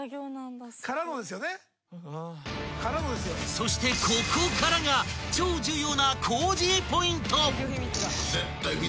［そしてここからが超重要なコージーポイント］